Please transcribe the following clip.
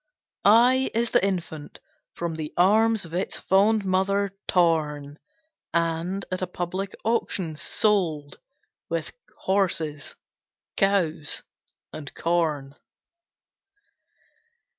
I I is the Infant, from the arms Of its fond mother torn, And, at a public auction, sold With horses, cows, and corn.